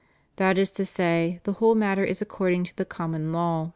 * That is to say, the whole matter is according to the common law ' John iii.